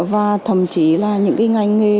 và thậm chí là những ngành nghề